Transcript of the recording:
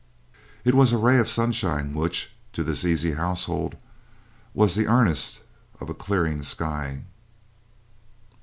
It was a ray of sunshine which (to this easy household) was the earnest of a clearing sky.